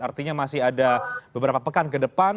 artinya masih ada beberapa pekan ke depan